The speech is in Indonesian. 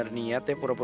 aku gak bisa jadi apa apa